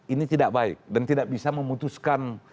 ini tidak baik dan tidak bisa memutuskan